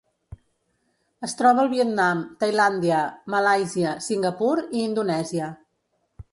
Es troba al Vietnam, Tailàndia, Malàisia, Singapur i Indonèsia.